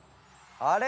あれ？